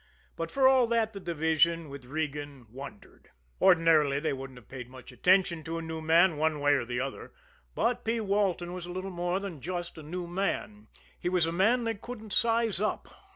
But for all that, the division, with Regan, wondered. Ordinarily, they wouldn't have paid much attention to a new man one way or the other, but P. Walton was a little more than just a new man he was a man they couldn't size up.